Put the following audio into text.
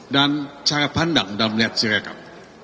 dan cara pandang dalam melihat sirekap